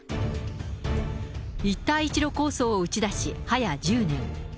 一帯一路構想を打ち出し、はや１０年。